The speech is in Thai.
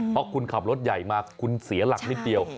เพราะคุณขับรถใหญ่มาคุณเสียหลักนิดเดียว